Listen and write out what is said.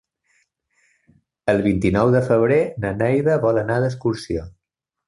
El vint-i-nou de febrer na Neida vol anar d'excursió.